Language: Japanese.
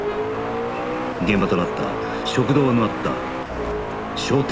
現場となった食堂のあった商店街は今